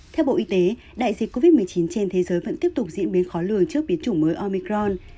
theo bộ y tế đại dịch covid một mươi chín trên thế giới vẫn tiếp tục diễn biến khó lường trước biến chủng mới omicron